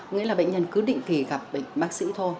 nghĩa là bệnh nhân cứ định kỳ gặp bệnh bác sĩ thôi